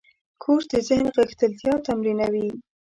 کورس د ذهن غښتلتیا تمرینوي.